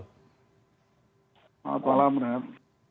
selamat malam ram